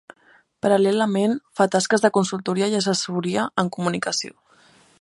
Paral·lelament, fa tasques de consultoria i assessoria en comunicació.